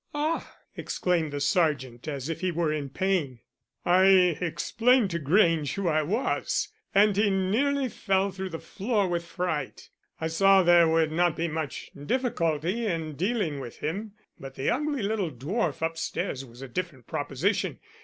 "Ah!" exclaimed the sergeant, as if he were in pain. "I explained to Grange who I was, and he nearly fell through the floor with fright. I saw there would not be much difficulty in dealing with him. But the ugly little dwarf upstairs was a different proposition.